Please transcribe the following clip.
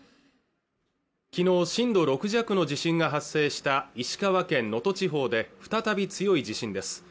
きのう震度６弱の地震が発生した石川県能登地方で再び強い地震です